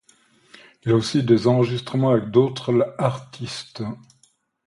Il a aussi fait des enregistrements avec d'autres artistes.